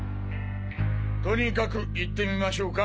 とにかく行ってみましょうか！